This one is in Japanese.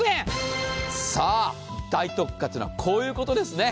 さぁ、大特価というのはこういうことですね。